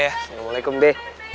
be assalamualaikum be